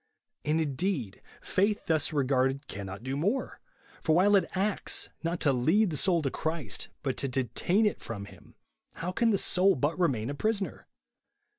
And, indeed, faith thus regarded, cannot do more, for while it acts, not to lead the soul to Christ, but to detain it from him, how can the soul but remain a prisoner?